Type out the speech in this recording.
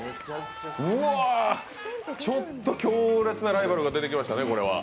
ちょっと強烈なライバルが出てきましたね。